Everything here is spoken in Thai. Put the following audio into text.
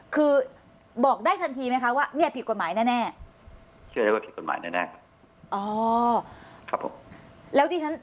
คือบอกได้ทันทีไหมคะว่าเนี่ยผิดกฎหมายแน่